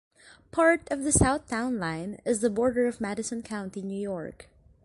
Part of the south town line is the border of Madison County, New York.